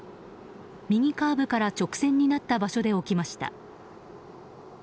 右カーブから直線になった場所で起きました。